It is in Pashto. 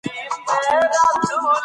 د بل خج دروند او بم وېل کېږي.